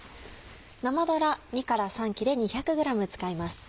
生だら２から３切れ２００ｇ使います。